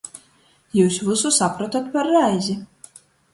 Jius vysu saprotot par reizi!